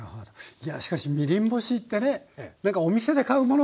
いやしかしみりん干しってね何かお店で買うものっていう頭があるんですけども。